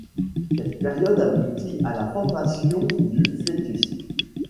Cette période aboutit à la formation du fœtus.